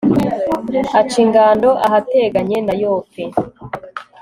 aca ingando ahateganye na yope